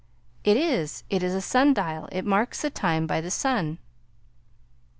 "It is. It is a sundial. It marks the time by the sun."